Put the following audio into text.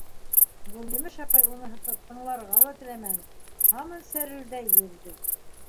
Гөлйемеш апай уны тыңларға ла теләмәне, һаман сәрелдәй бирҙе: